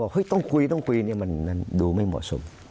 ว่าเฮ้ยต้องคุยต้องคุยเนี่ยมันดูไม่เหมาะสม